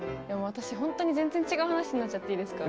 私ほんとに全然違う話になっちゃっていいですか。